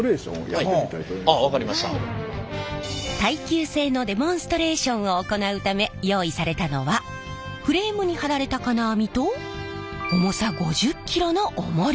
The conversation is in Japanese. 耐久性のデモンストレーションを行うため用意されたのはフレームに張られた金網と重さ５０ｋｇのおもり！